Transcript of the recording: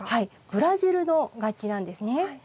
ブラジルの楽器なんですね。